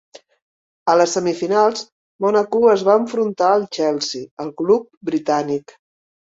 A les semifinals, Mònaco es va enfrontar al Chelsea, el club britànic.